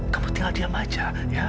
kamu tinggal diam saja